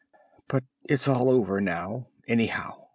But it's all over now anyhow.